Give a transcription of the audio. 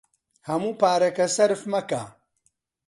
هەموو پارەکە سەرف مەکە.